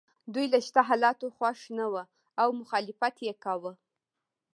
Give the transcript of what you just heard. دوی له شته حالاتو خوښ نه وو او مخالفت یې کاوه.